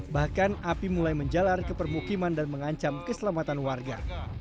bahkan api mulai menjalar ke permukiman dan mengancam keselamatan warga